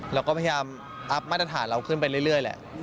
เราก็พยายามอัพมาตรฐานเราขึ้นไปเรื่อยแหละ